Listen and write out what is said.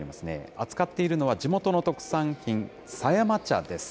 扱っているのは、地元の特産品、狭山茶です。